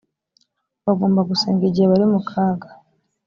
bagomba gusenga igihe bari mu kaga